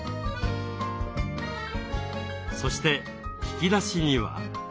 そして引き出しには？